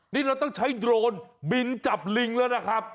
นี่เราต้องใช้โดรนบินจับลิงแล้วนะครับ